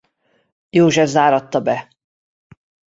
József záratta be.